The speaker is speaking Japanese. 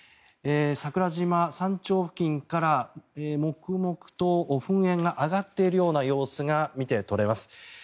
桜島山頂付近からもくもくと噴煙が上がっているような様子が見て取れます。